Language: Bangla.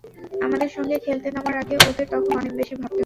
আমাদের সঙ্গে খেলতে নামার আগে ওদের তখন অনেক বেশি ভাবতে হবে।